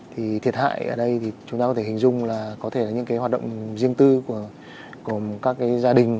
thì thiệt hại ở đây thì chúng ta có thể hình dung là có thể là những cái hoạt động riêng tư của các cái gia đình